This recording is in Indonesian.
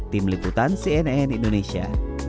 tim liputan cnn indonesia